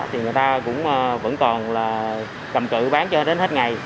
thì người ta cũng vẫn còn là cầm cự bán cho đến hết ngày